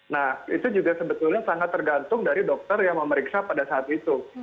nah itu juga sebetulnya sangat tergantung dari dokter yang memeriksa pada saat itu